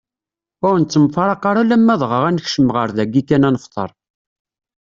Ur nettemfraq ara alamm dɣa ad nekcem ɣer dagi kan ad nefteṛ.